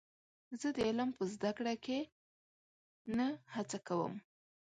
زه د علم په زده کړه کې نه هڅه کوم.